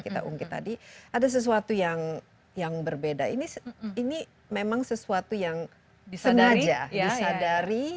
kita ungkit tadi ada sesuatu yang yang berbeda ini ini memang sesuatu yang disengaja ya sadari